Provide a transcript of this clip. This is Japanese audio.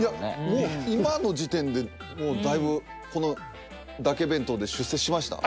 もう今の時点でもうだいぶこの「だけ弁当」で出世しました？